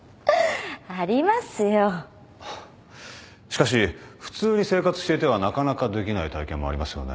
しかし普通に生活していてはなかなかできない体験もありますよね？